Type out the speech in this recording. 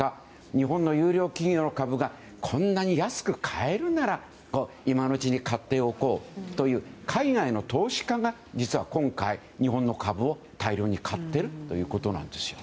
日本の有力企業の株がこんなに安く買えるなら今のうちに買っておこうと海外の投資家が実は今回、日本の株を大量に買っているということです。